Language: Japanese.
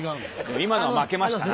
今のは負けましたな。